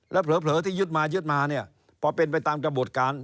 แล้วเผลอที่ยึดมายึดมาเนี่ยพอเป็นไปตามกระบวนการ